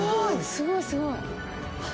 すごいすごい。